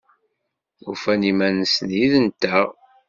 Ufan iman-nsen yid-nteɣ?